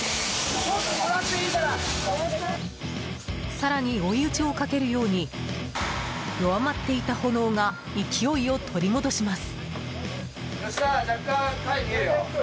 更に、追い打ちをかけるように弱まっていた炎が勢いを取り戻します。